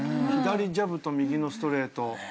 左ジャブと右のストレート。